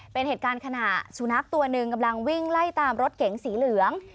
เป็นเหตุการณ์ขณะสุนัขตัวหนึ่งกำลังวิ่งไล่ตามรถเก๋งสีเหลือง